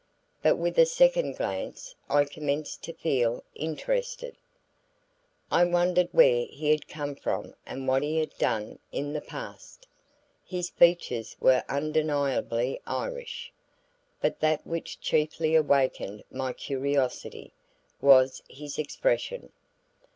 But with a second glance I commenced to feel interested. I wondered where he had come from and what he had done in the past. His features were undeniably Irish; but that which chiefly awakened my curiosity, was his expression.